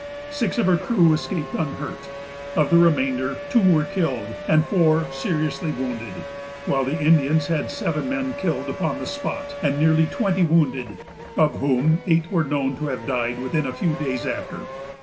Six of her crew escaped unhurt. Of the remainder, two were killed, and four seriously wounded, while the Indians had seven men killed upon the spot, and nearly twenty wounded, of whom eight were known to have died within a few days after.